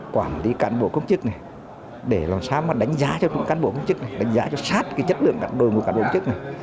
quản lý cán bộ công chức này để làm sao mà đánh giá cho các cán bộ công chức này đánh giá cho sát cái chất lượng đồi mũ cán bộ công chức này